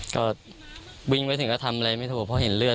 ก็วิ่งไปถึงก็ทำอะไรไม่ถูกเพราะเห็นเลือด